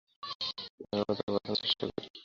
যেখানে আমরা তাকে বাঁচানোর চেষ্টা করি।